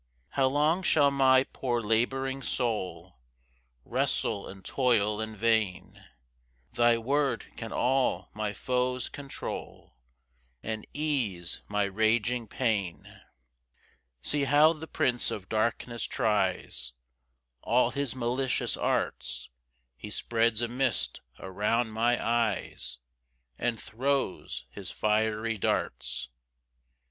2 How long shall my poor labouring soul Wrestle and toil in vain? Thy word can all my foes control, And ease my raging pain. 3 See how the prince of darkness tries All his malicious arts, He spreads a mist around my eyes, And throws his fiery darts.